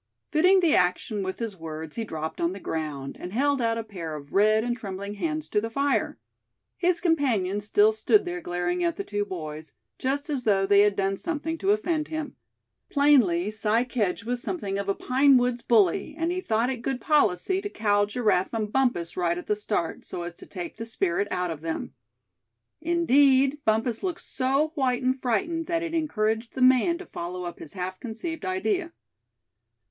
Fitting the action with his words he dropped on the ground, and held out a pair of red and trembling hands to the fire. His companion still stood there, glaring at the two boys, just as though they had done something to offend him. Plainly Si Kedge was something of a pine wood's bully; and he thought it good policy to cow Giraffe and Bumpus right at the start, so as to take the spirit out of them. Indeed, Bumpus looked so white and frightened that it encouraged the man to follow up his half conceived idea.